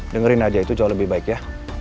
dengerin aja itu jauh lebih baik ya